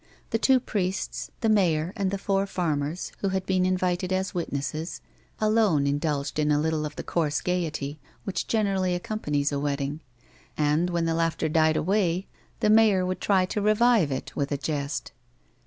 The two priests, the mayor, and the four farmers, who had been iuvited as witnesses, alone indulged in a little of the coarse gaiety which generally accompanies a wedding, and when the laughter died away the mayor would try to revive it with a jest.